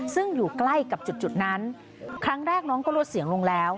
ซึ่งอยู่ใกล้กับจุดนั้นครั้งแรกน้องก็ลดเสียงลงแล้ว